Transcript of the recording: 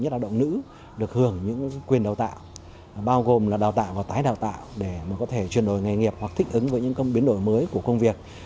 từ những quyền đào tạo bao gồm là đào tạo và tái đào tạo để có thể chuyển đổi nghề nghiệp hoặc thích ứng với những biến đổi mới của công việc